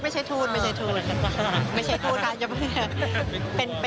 ไม่ใช่ทูตกาลเยอดเว้ย